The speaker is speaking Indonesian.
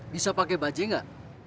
bisa pakai bajet gak